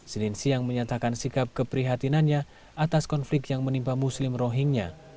senin siang menyatakan sikap keprihatinannya atas konflik yang menimpa muslim rohingya